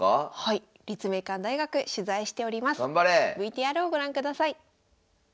ＶＴＲをご覧ください。